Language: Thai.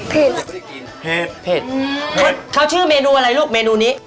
ไม่ได้กินเผ็ดเผ็ดเขาชื่อเมนูอะไรลูกเมนูนี้